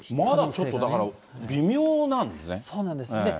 まだちょっと、だから、微妙なんですね。